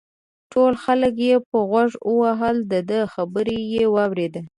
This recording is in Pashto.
ټول خلک یې په غوږ ووهل دده خبره یې واورېده.